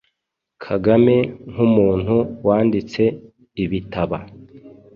Kagame nk’umuntu wanditse ibitaba